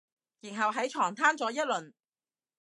然後喺床攤咗一輪